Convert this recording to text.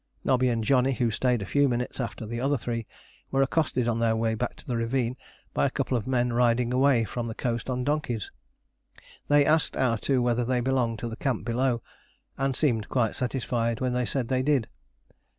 Nobby and Johnny, who stayed a few minutes after the other three, were accosted on their way back to the ravine by a couple of men riding away from the coast on donkeys. They asked our two whether they belonged to the camp below, and seemed quite satisfied when they said they did.